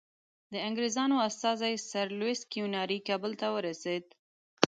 د انګریزانو استازی سر لویس کیوناري کابل ته ورسېد.